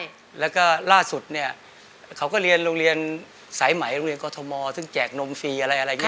อเจมส์และล่าสุดค่อยนะครับเขาก็เลียนหลวงเรียนสายใหม่หลวงเรียนกอทมซึ่งแจกนมฟรีอะไรแบบนี้นะครับ